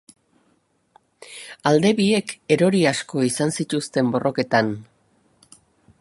Alde biek erori asko izan zituzten borroketan.